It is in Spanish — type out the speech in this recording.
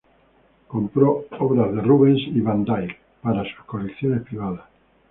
Compró obras de Rubens y van Dyck para sus colecciones privadas.